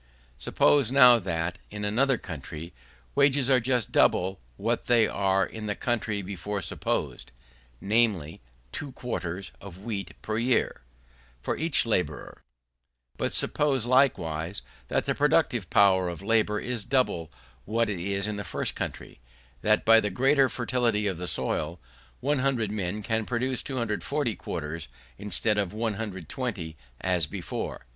Suppose now that, in another country, wages are just double what they are in the country before supposed; namely, two quarters of wheat per year, for each labourer. But suppose, likewise, that the productive power of labour is double what it is in the first country; that by the greater fertility of the soil, 100 men can produce 240 quarters, instead of 120 as before.